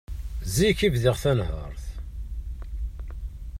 Zik i bdiɣ tanhert.